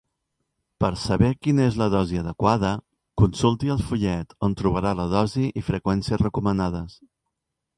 Per a saber quina és la dosi adequada, consulti el fullet on trobarà la dosi i freqüència recomanades.